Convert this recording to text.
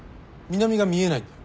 南が見えないんだよ。